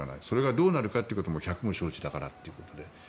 それがどうなるかということも百も承知だからということで。